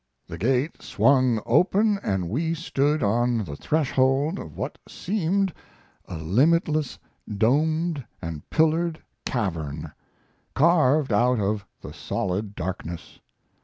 The gate swung open and we stood on the threshold of what seemed a limitless domed and pillared cavern, carved out of the solid darkness.